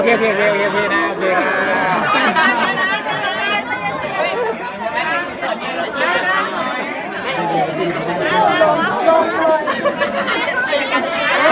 โอเคได้คะ